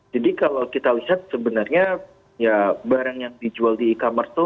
jadi kalau kita lihat sebenarnya ya barang yang dijual di e commerce tuh